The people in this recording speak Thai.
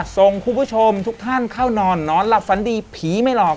ทุกท่านเข้านอนนอนหลับฝันดีผีไม่หลอก